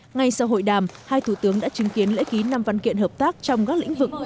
ngay sau hội đàm hai thủ tướng đã chứng kiến lễ ký năm văn kiện hợp tác trong các lĩnh vực